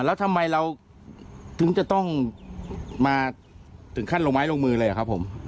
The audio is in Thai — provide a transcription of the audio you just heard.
แล้วทำไมเราถึงจะต้องมาถึงขั้นลงไม้ลงมือเลยอะครับผม